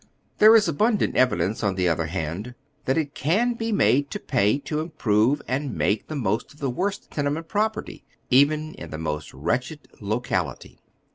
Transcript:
There is abundant evidence, on the other hand, that it can be made to pay to improve and make the most of the worst tenement property, even in the most wretched lo cality.